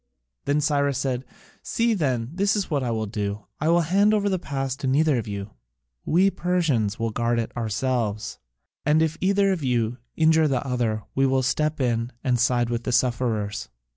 Then Cyrus said, "See, then, this is what I will do: I will hand over the pass to neither of you: we Persians will guard it ourselves, and if either of you injure the other, we will step in and side with the sufferers."